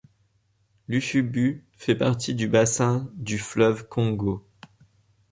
Lufubu fait partie du bassin du fleuve Congo.